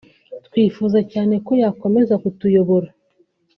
twifuza cyane ko yakomeza kutuyobora